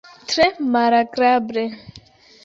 Tre malagrable.